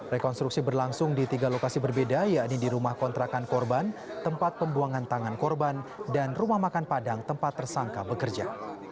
rekonstruksi berlangsung di tiga lokasi berbeda yakni di rumah kontrakan korban tempat pembuangan tangan korban dan rumah makan padang tempat tersangka bekerja